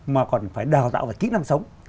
mà còn phải đào tạo về kỹ năng sống